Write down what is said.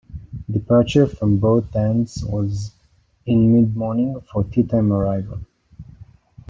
Departure from both ends was in mid-morning, for a teatime arrival.